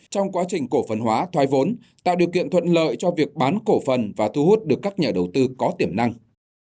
trong quá trình cổ phân hóa thoai vốn tạo điều kiện thuận lợi cho việc bán cổ phân và thu hút được các nhà đầu tư có tiềm năng